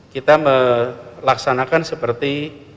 kita melaksanakan seperti